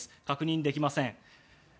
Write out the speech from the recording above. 確認できません。